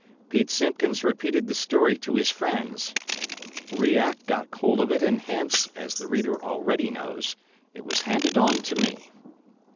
Pete Simpkins repeated the story to his friends. Rouillac got hold of it, and hence, as the reader already knows, it was handed on to me.